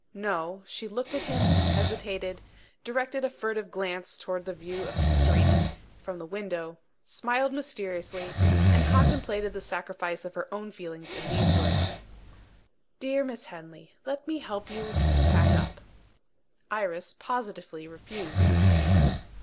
No: she looked at him hesitated directed a furtive glance towards the view of the street from the window smiled mysteriously and completed the sacrifice of her own feelings in these words: "Dear Miss Henley, let me help you to pack up." Iris positively refused.